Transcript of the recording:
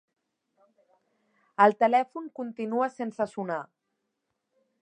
El telèfon continua sense sonar.